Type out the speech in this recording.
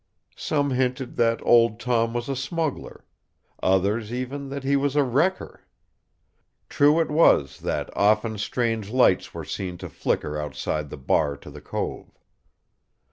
Some hinted that Old Tom was a smuggler; others, even, that he was a wrecker. True it was that often strange lights were seen to flicker outside the bar to the cove.